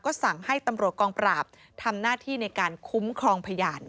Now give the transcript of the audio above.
สั่งให้ตำรวจกองปราบทำหน้าที่ในการคุ้มครองพยาน